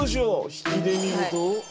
引きで見ると。